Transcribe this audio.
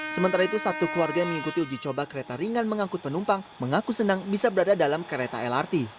sementara itu satu keluarga yang mengikuti uji coba kereta ringan mengangkut penumpang mengaku senang bisa berada dalam kereta lrt